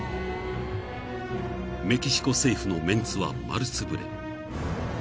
［メキシコ政府のメンツは丸つぶれ］